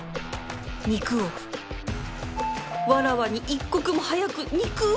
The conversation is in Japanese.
肉をわらはに一刻も早く肉を！